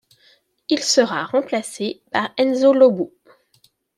Il sera remplacé par Enzo Lo Bue.